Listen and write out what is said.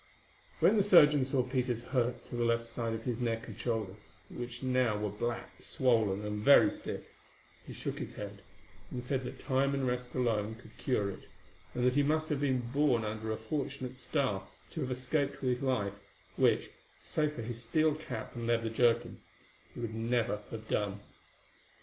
When the surgeon saw Peter's hurt to the left side of his neck and shoulder, which now were black, swollen, and very stiff, he shook his head, and said that time and rest alone could cure it, and that he must have been born under a fortunate star to have escaped with his life, which, save for his steel cap and leather jerkin, he would never have done.